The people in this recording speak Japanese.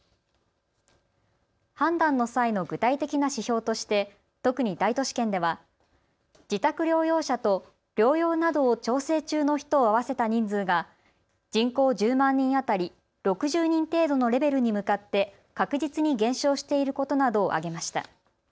判断の際の具体的な指標として特に大都市圏では自宅療養者と療養などを調整中の人を合わせた人数が人口１０万人当たり６０人程度のレベルに向かって確実に減少していることなどを挙げました。